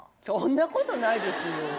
そんなことないですよ！